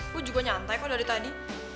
gue juga nyantai kok dari tadi